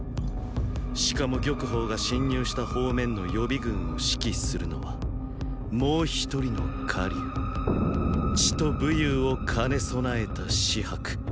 しかも玉鳳が侵入した方面の予備軍を指揮するのはもう一人の火龍“知”と“武勇”を兼ね備えた紫伯。